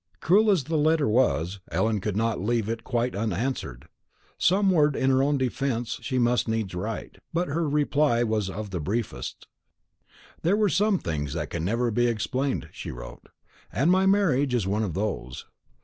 Cruel as the letter was, Ellen could not leave it quite unanswered; some word in her own defence she must needs write; but her reply was of the briefest. "There are some things that can never be explained," she wrote, "and my marriage is one of those.